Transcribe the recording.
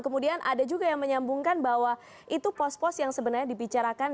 kemudian ada juga yang menyambungkan bahwa itu pos pos yang sebenarnya dibicarakan